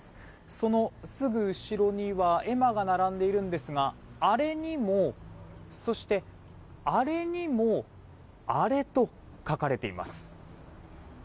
そのすぐ後ろには絵馬が並んでいるんですがあれにも、そしてあれにも「アレ」と書かれています。